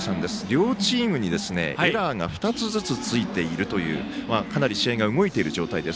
両チームにエラーが２つずつついているというかなり試合が動いている状態です。